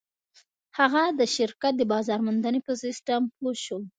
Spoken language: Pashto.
هغه د شرکت د بازار موندنې په سيسټم پوه شو.